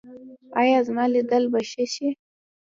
ایا زما لیدل به ښه شي؟